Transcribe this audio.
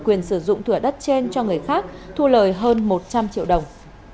quyền sử dụng thửa đất trên cho người khác thu lời hơn một trăm linh triệu đồng